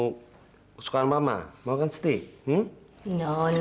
masa yang tebal udah don